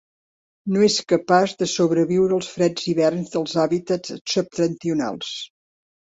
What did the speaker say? No és capaç de sobreviure els freds hiverns dels hàbitats septentrionals.